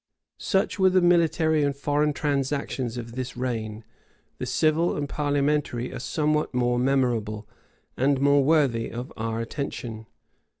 Such were the military and foreign transactions of this reign: the civil and parliamentary are somewhat more memorable, and more worthy of our attention.